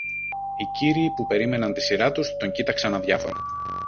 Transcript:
Οι κύριοι που περίμεναν τη σειρά τους τον κοίταξαν αδιάφορα